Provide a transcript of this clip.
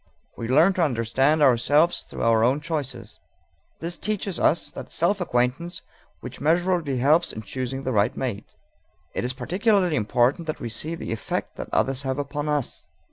We learn to understand ourselves through our own choices. This teaches us that self acquaintance which measurably helps in choosing the right mate. It is particularly important that we see the effect that others have upon us.